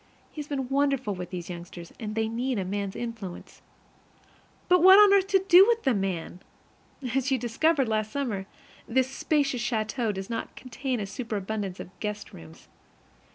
He has been wonderful with those youngsters, and they need a man's influence. But what on earth to do with the man? As you discovered last summer, this spacious château does not contain a superabundance of guest rooms.